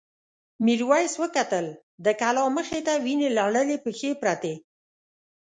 میرويس وکتل د کلا مخې ته وینې لړلې پښې پرتې.